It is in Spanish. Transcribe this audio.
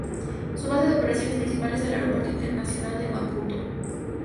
Su base de operaciones principal es el Aeropuerto Internacional de Maputo.